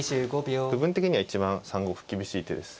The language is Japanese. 部分的には一番３五歩厳しい手です。